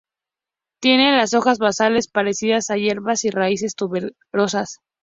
Tienen las hojas basales parecidas a hierbas y raíces tuberosas.